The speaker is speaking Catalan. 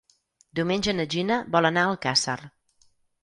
Diumenge na Gina vol anar a Alcàsser.